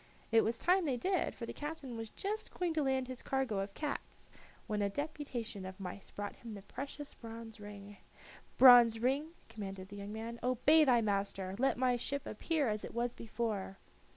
It was time they did, for the captain was just going to land his cargo of cats, when a deputation of mice brought him the precious bronze ring. "Bronze ring," commanded the young man, "obey thy master. Let my ship appear as it was before."